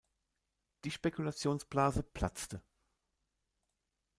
Die Spekulationsblase platzte.